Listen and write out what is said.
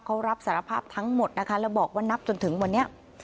เขารับสารภาพทั้งหมดนะคะแล้วบอกว่านับจนถึงวันนี้